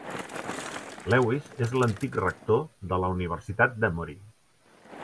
Lewis és l'antic rector de la Universitat d'Emory.